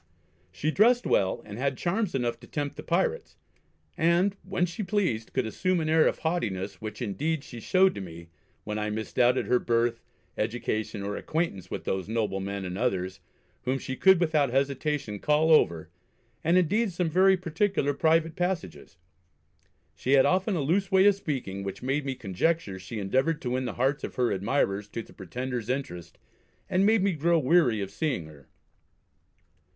She dressed well, and had charms enough to tempt the pirates; and, when she pleased, could assume an air of haughtiness which indeed she showed to me, when I misdoubted her birth, education, or acquaintance with those Noblemen and others, whom she could without hesitation call over, and indeed some very particular private passages. She had often a loose way of speaking, which made me conjecture she endeavoured to win the hearts of her admirers to the Pretender's interest, and made me grow weary of seeing her.